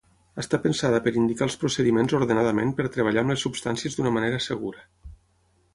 Està pensada per indicar els procediments ordenadament per treballar amb les substàncies d'una manera segura.